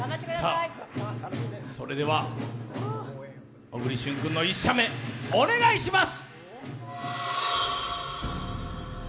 それでは小栗旬君の１射目、お願いします。